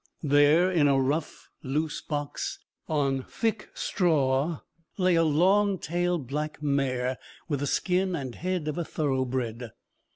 There, in a rough loose box, on thick straw, lay a long tailed black mare with the skin and head of a thoroughbred.